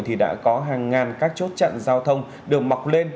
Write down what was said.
thì đã có hàng ngàn các chốt chặn giao thông được mọc lên